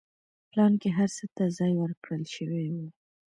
پلان کې هر څه ته ځای ورکړل شوی و.